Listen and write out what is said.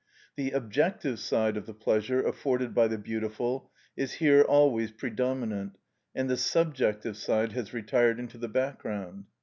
The objective side of the pleasure afforded by the beautiful is here always predominant, and the subjective side has retired into the background.